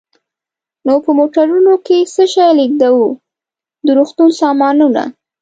نو په موټرونو کې څه شی لېږدوو؟ د روغتون سامانونه.